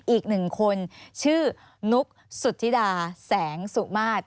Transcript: อีกหนึ่งคนชื่อนุ๊กสุธิดาแสงสุมาตร